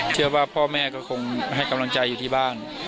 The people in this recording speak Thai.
เชื่อว่าพ่อแม่ก็คงให้กำลังใจอยู่ที่บ้าน